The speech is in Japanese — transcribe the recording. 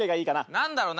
何だろうな